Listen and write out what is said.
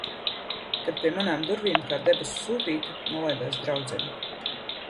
Kad pie manām durvīm, kā debesu sūtīta, nolaidās draudzene.